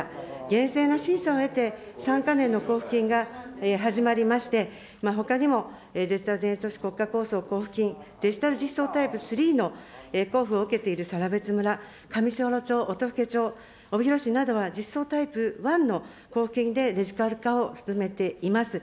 厳正な審査を経て、３か年の交付金が始まりまして、ほかにもデジタル都市国家構想交付金、デジタル実装タイプ３の交付を受けているさらべつ村、かみしほろ町、音更町、帯広市などは実装タイプ１の交付金でデジタル化を進めています。